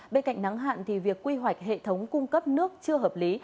bên cạnh nắng hạn thì việc quy hoạch hệ thống cung cấp nước chưa hợp lý